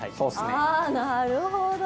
あぁなるほど。